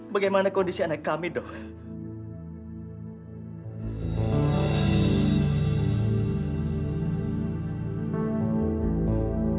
bagaimana kondisi anak kami dok